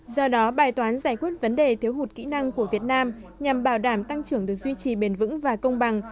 do đó bài toán giải quyết vấn đề thiếu hụt kỹ năng của việt nam nhằm bảo đảm tăng trưởng được duy trì bền vững và công bằng